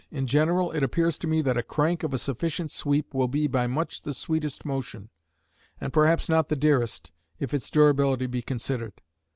In general, it appears to me that a crank of a sufficient sweep will be by much the sweetest motion, and perhaps not the dearest, if its durability be considered